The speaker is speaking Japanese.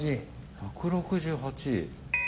１６８。